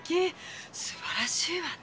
素晴らしいわね。